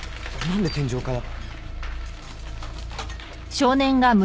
んで天井から？